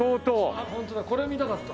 あっホントだこれ見たかった。